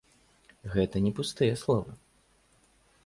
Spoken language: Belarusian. Гэта не пустыя словы.